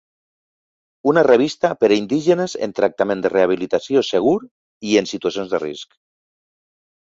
Una revista per a indígenes en tractament de rehabilitació segur i en situació de risc.